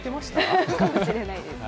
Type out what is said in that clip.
かもしれないです。